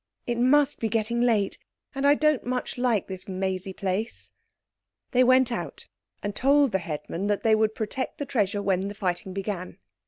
It must be getting late, and I don't much like this mazy place." They went out and told the headman that they would protect the treasure when the fighting began.